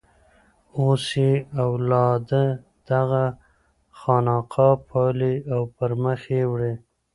اوس یې اولاده دغه خانقاه پالي او پر مخ یې وړي.